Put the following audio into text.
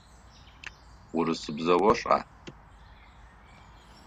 Урысыбзэ ошӏа?